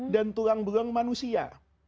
dan tulang belang manusia